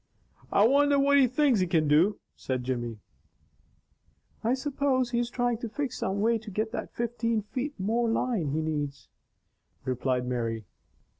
"I wonder what he thinks he can do?" said Jimmy. "I suppose he is trying to fix some way to get that fifteen feet more line he needs," replied Mary.